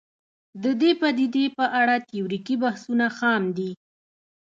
د دې پدیدې په اړه تیوریکي بحثونه خام دي